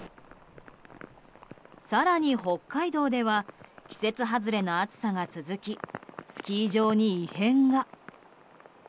更に、北海道では季節外れの暑さが続きスキー場に異変が。